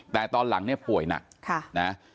แต่ตอนหลังเนี่ยป่วยหนักนะ